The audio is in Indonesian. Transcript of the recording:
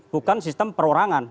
bukan sistem perorangan